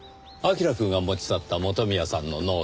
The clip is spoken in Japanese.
彬くんが持ち去った元宮さんのノート。